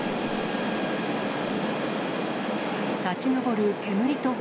立ち上る煙と炎。